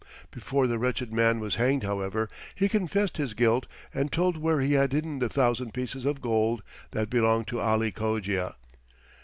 Before the wretched man was hanged, however, he confessed his guilt and told where he had hidden the thousand pieces of gold that belonged to Ali Cogia.